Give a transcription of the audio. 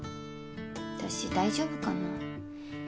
私大丈夫かな。